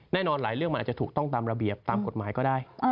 แน่นอนหลายเรื่องมันอาจจะถูกต้องตามระเบียบตามกฎหมายก็ได้